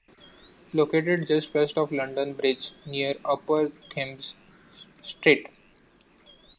Located just west of London Bridge near Upper Thames Street.